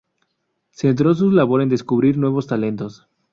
Centró su labor en descubrir nuevos talentos.